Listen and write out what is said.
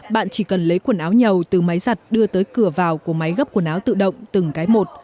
bạn chỉ cần lấy quần áo nhầu từ máy giặt đưa tới cửa vào của máy gấp quần áo tự động từng cái một